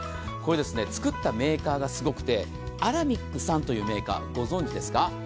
これ、作ったメーカーがすごくて、アラミックさんというメーカーご存じですか？